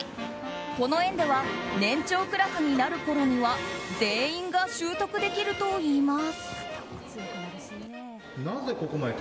この園では年長クラスになるころには全員が習得できるといいます。